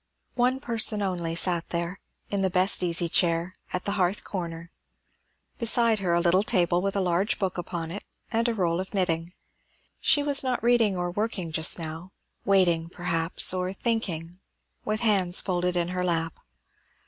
One person only sat there, in the best easy chair, at the hearth corner; beside her a little table with a large book upon it and a roll of knitting. She was not reading nor working just now; waiting, perhaps, or thinking, with hands folded in her lap.